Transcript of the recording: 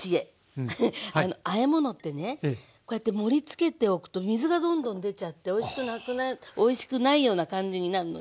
あえものってねこうやって盛りつけておくと水がどんどん出ちゃっておいしくないような感じになるのね。